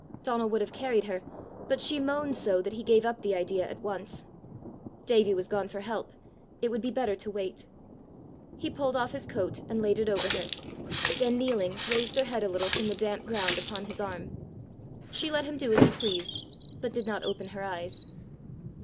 Donal would have carried her, but she moaned so, that he gave up the idea at once. Davie was gone for help; it would be better to wait! He pulled off his coat and laid it over her, then kneeling, raised her head a little from the damp ground upon his arm. She let him do as he pleased, but did not open her eyes.